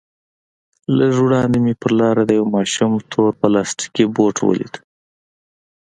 لږ وړاندې مې پر لاره د يوه ماشوم تور پلاستيكي بوټ وليد.